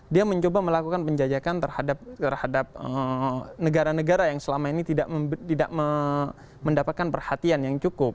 dia mencoba melakukan penjajakan terhadap negara negara yang selama ini tidak mendapatkan perhatian yang cukup